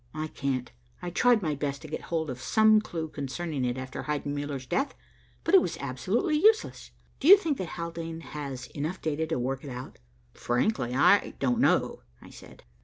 I can't. I tried my best to get hold of some clue concerning it after Heidenmuller's death, but it was absolutely useless. Do you think that Haldane has enough data to work it out?" "Frankly, I don't know," I said.